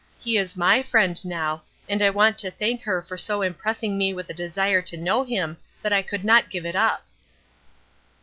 He is my Friend now, and I want to thank her for so impressing me with a desire to know him that I could not give it up."